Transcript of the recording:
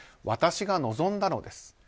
私が望んだのです。